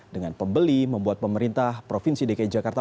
dengan pembeli membuat pemerintah provinsi dki jakarta